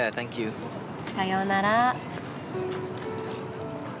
さようなら。